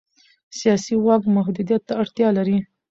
سیاسي واک محدودیت ته اړتیا لري